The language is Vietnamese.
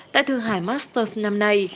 tại thượng hải masters năm nay